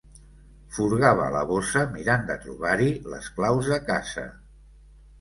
Furgava la bossa mirant de trobar-hi les claus de casa.